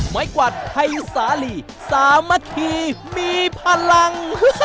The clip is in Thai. ไม้กวาดไพรสาลีสามารถมีพลัง